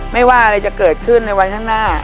ไม่ว่าอะไรจะเกิดขึ้นในวันข้างหน้า